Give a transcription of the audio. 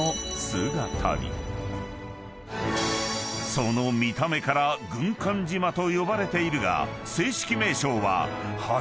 ［その見た目から軍艦島と呼ばれているが］